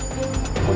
dan tidak bisa keluar